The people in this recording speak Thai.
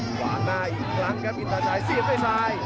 ขวางหน้าอีกครั้งครับอินตาชัยเสียบด้วยซ้าย